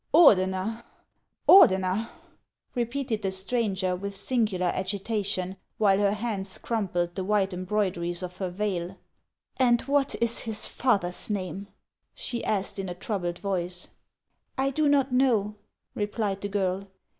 " Ordener ! Ordener !" repeated the stranger, with sin gular agitation, while her hands crumpled the white embroideries of her veil. " And what is his father's name ?" she asked in a troubled voice. " I do not know," replied the girl.